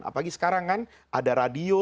apalagi sekarang kan ada radio